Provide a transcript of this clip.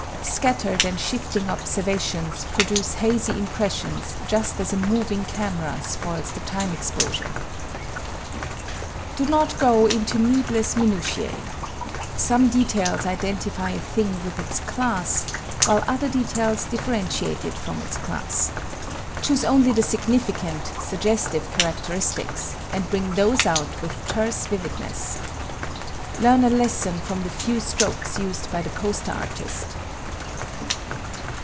Scattered and shifting observations produce hazy impressions just as a moving camera spoils the time exposure. Do not go into needless minutiæ. Some details identify a thing with its class, while other details differentiate it from its class. Choose only the significant, suggestive characteristics and bring those out with terse vividness. Learn a lesson from the few strokes used by the poster artist.